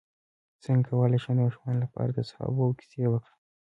څنګه کولی شم د ماشومانو لپاره د صحابه وو کیسې وکړم